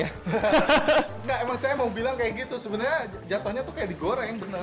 enggak emang saya mau bilang kayak gitu sebenarnya jatuhnya tuh kayak digoreng bener